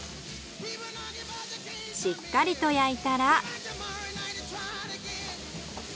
しっかりと焼いたら。